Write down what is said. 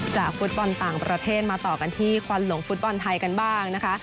ฟุตบอลต่างประเทศมาต่อกันที่ควันหลงฟุตบอลไทยกันบ้างนะคะ